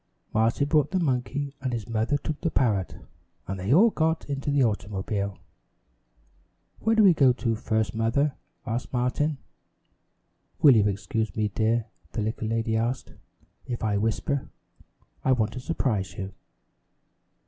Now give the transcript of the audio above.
Martin brought the monkey, and his mother took the parrot, and they all got into the automobile. "Where do we go first, Mother?" asked Martin. "Will you excuse me, dear," the little lady asked, "if I whisper? I want to surprise you."